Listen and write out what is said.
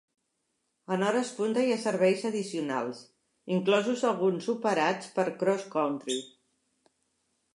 En hores punta hi ha serveis addicionals, inclosos alguns operats per CrossCountry.